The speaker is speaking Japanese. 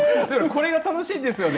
これが楽しいんですよね